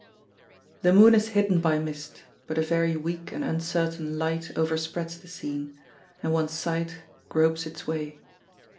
The moon is hidden by mist, but a very weak and uncertain light overspreads the scene, and one's sight gropes its way.